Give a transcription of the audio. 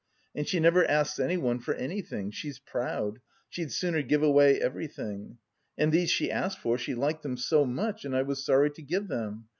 And she never asks anyone for anything; she is proud, she'd sooner give away everything. And these she asked for, she liked them so much. And I was sorry to give them.